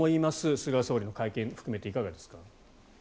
菅総理の会見を含めていかがですか？